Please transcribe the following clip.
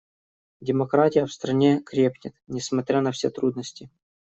Демократия в стране крепнет, несмотря на все трудности.